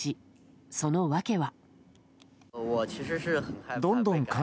その訳は。